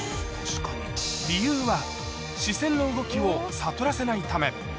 理由は、視線の動きを悟らせないため。